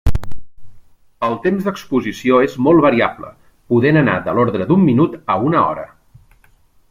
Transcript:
El temps d'exposició és molt variable, podent anar de l'ordre d'un minut a una hora.